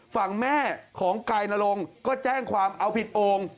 ฝั่งแม่ของกายนรงค์ก็แจ้งความเอาผิดโอ่ง